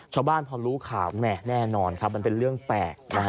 ชาวบ้านพอรู้ข่าวแหม่แน่นอนครับมันเป็นเรื่องแปลกนะฮะ